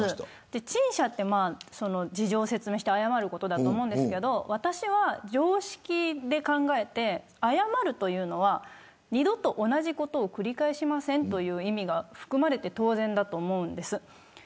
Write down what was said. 陳謝は事情を説明して謝ることだと思いますけど常識で考えて、謝るということは二度と同じことを繰り返しませんという意味が含まれて当然だと思うんです。